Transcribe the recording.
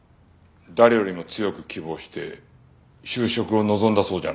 誰よりも強く希望して就職を望んだそうじゃないか。